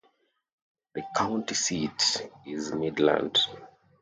The county seat is Midland.